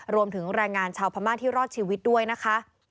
รวมถึงแรงงานชาวพม่าที่รอดชีวิตด้วยนะคะ